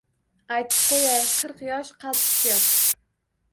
Aytib qo‘yay: qirq yosh — qaltis yosh.